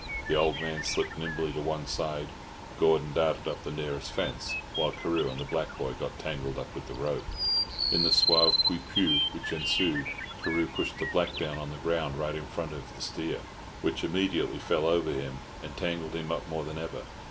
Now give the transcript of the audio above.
The old man slipped nimbly to one side, Gordon darted up the nearest fence, while Carew and the black boy got tangled up with the rope. In the sauve qui peut which ensued, Carew pushed the black down on the ground right in front of the steer, which immediately fell over him, and tangled him up more than ever.